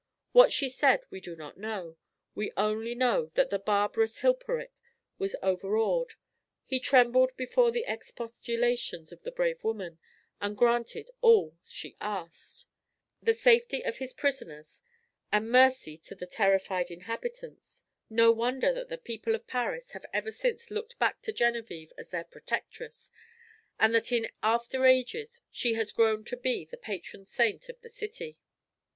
What she said we do not know we only know that the barbarous Hilperik was overawed; he trembled before the expostulations of the brave woman, and granted all she asked the safety of his prisoners, and mercy to the terrified inhabitants. No wonder that the people of Paris have ever since looked back to Genevieve as their protectress, and that in after ages she has grown to be the patron saint of the city.